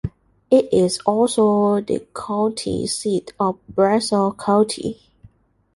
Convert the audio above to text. It is also the county seat of Bledsoe County.